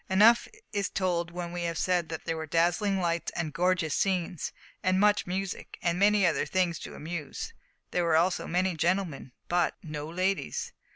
Enough is told when we have said that there were dazzling lights and gorgeous scenes, and much music, and many other things to amuse. There were also many gentlemen, but no ladies.